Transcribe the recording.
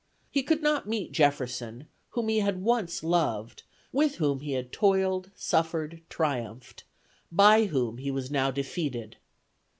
He could not meet Jefferson, whom he had once loved, with whom he had toiled, suffered, triumphed, by whom he was now defeated.